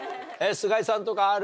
菅井さんとかある？